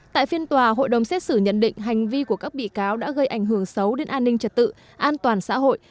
tại phiên tòa hội đồng xét xử nhận định hành vi của các bị cáo đã gây ảnh hưởng xấu đến an ninh trật tự an toàn xã hội